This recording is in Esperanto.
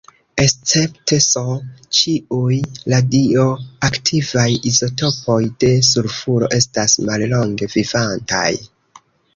Escepte S, ĉiuj radioaktivaj izotopoj de sulfuro estas mallonge vivantaj.